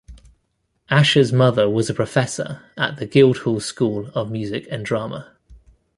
Asher's mother was a professor at the Guildhall School of Music and Drama.